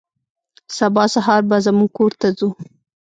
سبا سهار به زموږ کور ته ځو.